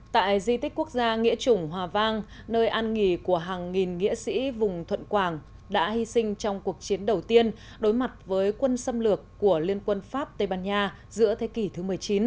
tại di tích quốc gia nghĩa chủng hòa vang nơi an nghỉ của hàng nghìn nghĩa sĩ vùng thuận quảng đã hy sinh trong cuộc chiến đầu tiên đối mặt với quân xâm lược của liên quân pháp tây ban nha giữa thế kỷ thứ một mươi chín